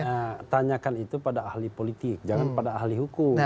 ya tanyakan itu pada ahli politik jangan pada ahli hukum